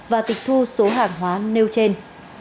và tịch thu số hàng hóa nêu trên